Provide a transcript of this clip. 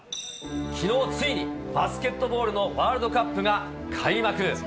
きのう、ついにバスケットボールのワールドカップが開幕。